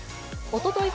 おととい